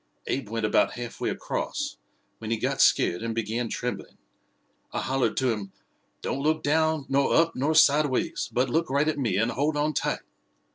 Abe went about half way across, when he got scared and began trembling. I hollered to him, 'Don't look down nor up nor sideways, but look right at me and hold on tight!'